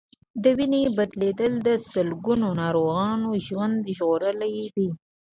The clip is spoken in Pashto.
د وینې بدلېدل د سلګونو ناروغانو ژوند ژغورلی دی.